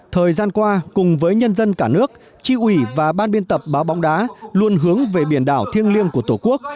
thời gian qua cùng với nhân dân cả nước tri ủy và ban biên tập báo bóng đá luôn hướng về biển đảo thiêng liêng của tổ quốc